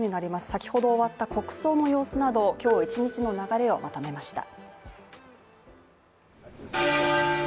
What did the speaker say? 先ほど終わった国葬の様子など今日一日の流れをまとめました。